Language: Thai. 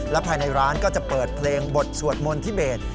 ภายในร้านก็จะเปิดเพลงบทสวดมนต์ทิเบส